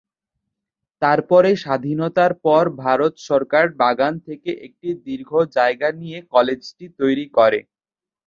তারপরে স্বাধীনতার পর ভারত সরকার বাগান থেকে একটি দীর্ঘ জায়গা নিয়ে কলেজটি তৈরি করে।